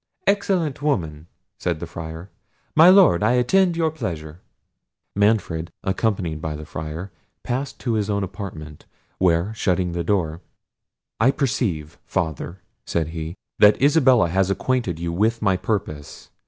"Excellent woman!" said the Friar. "My Lord, I attend your pleasure." Manfred, accompanied by the Friar, passed to his own apartment, where shutting the door, "I perceive, Father," said he, "that Isabella has acquainted you with my purpose.